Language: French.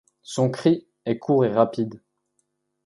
Son cri est court et rapide.